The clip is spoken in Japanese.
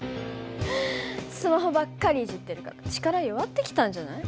スマホばっかりいじってるから力弱ってきたんじゃない？